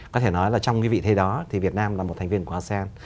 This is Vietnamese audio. có thể nói là trong cái vị thế đó thì việt nam là một thành viên của asean